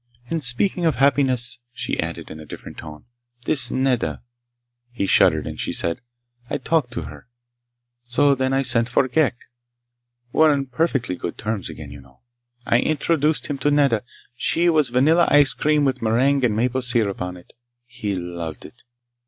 "And speaking of happiness," she added in a different tone, "this Nedda...." He shuddered, and she said: "I talked to her. So then I sent for Ghek. We're on perfectly good terms again, you know. I introduced him to Nedda. She was vanilla ice cream with meringue and maple syrup on it. He loved it!